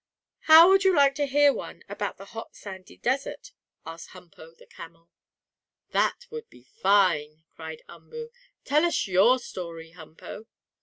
"How would you like to hear one about the hot, sandy desert?" asked Humpo, the camel. "That would be fine!" cried Umboo. "Tell us your story, Humpo!"